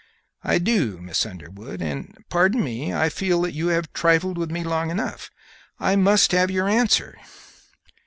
"I do, Miss Underwood; and, pardon me, I feel that you have trifled with me long enough; I must have your answer."